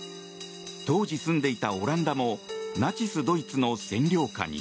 当時住んでいたオランダもナチスドイツの占領下に。